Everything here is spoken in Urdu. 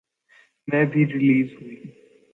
میں بھی ریلیز ہوئی